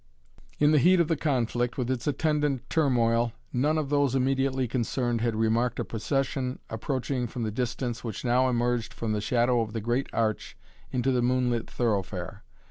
In the heat of the conflict with its attendant turmoil none of those immediately concerned had remarked a procession approaching from the distance which now emerged from the shadow of the great arch into the moonlit thoroughfare.